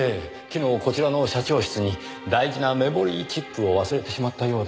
昨日こちらの社長室に大事なメモリーチップを忘れてしまったようで。